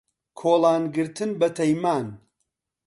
کۆڵان گرتن بە تەیمان